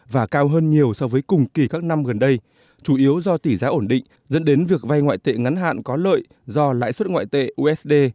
và cao hơn nhiều so với cùng kỳ các năm gần đây chủ yếu do tỷ giá ổn định dẫn đến việc vay ngoại tệ ngắn hạn có lợi do lãi suất ngoại tệ usd